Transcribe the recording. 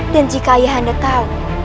dan jika ayah anda tahu